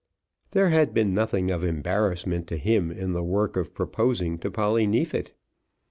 There had been nothing of embarrassment to him in the work of proposing to Polly Neefit.